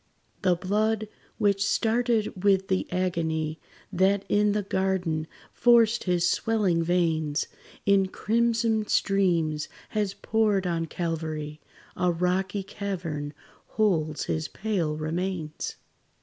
The blood, which started with the agony That in the garden forced his swelling veins, In crimson streams has poured on Calvary; A rocky cavern holds his pale remains.